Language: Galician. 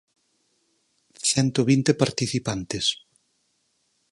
Cento vinte participantes.